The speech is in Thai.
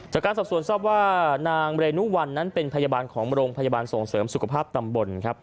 จากการสอบสวนทราบว่านางเรนุวันนั้นเป็นพยาบาลของโรงพยาบาลส่งเสริมสุขภาพตำบลครับ